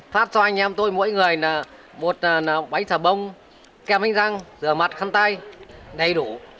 phát cho anh em tôi mỗi người là một bánh xà bông kem bánh răng rửa mặt khăn tay đầy đủ